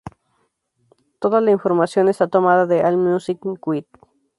Toda la información está tomada de All Music Guide.